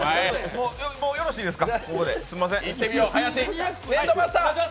もうよろしいですか。